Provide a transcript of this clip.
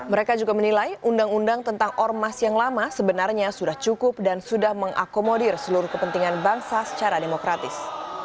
mereka juga menilai undang undang tentang ormas yang lama sebenarnya sudah cukup dan sudah mengakomodir seluruh kepentingan bangsa secara demokratis